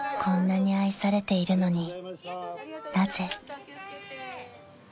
［こんなに愛されているのになぜ？］